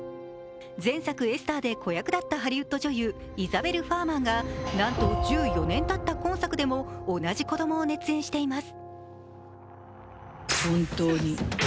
前作「エスター」で子役だったハリウッド女優、イザベル・ファーマンがなんと１４年たった今作でも同じ子供を熱演しています。